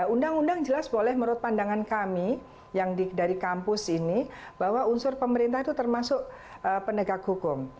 undang undang jelas boleh menurut pandangan kami yang dari kampus ini bahwa unsur pemerintah itu termasuk penegak hukum